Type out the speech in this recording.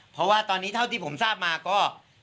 เพราะว่าตอนนี้เท่าที่ผมทราบมาก็